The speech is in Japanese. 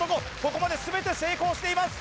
ここまで全て成功しています